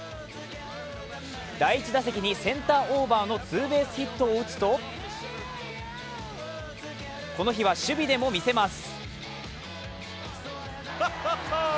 第１打席にセンターオーバーのツーベースヒットを打つとこの日は守備でも見せます。